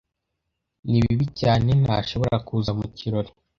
Ni bibi cyane ntashobora kuza mu kirori.